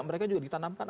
mereka juga ditanamkan